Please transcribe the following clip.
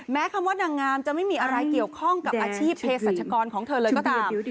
แม้คำว่านางงามจะไม่มีอะไรเกี่ยวข้องกับอาชีพเพศรัชกรของเธอเลยก็ตาม